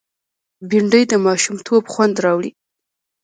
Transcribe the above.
بېنډۍ د ماشومتوب خوند راوړي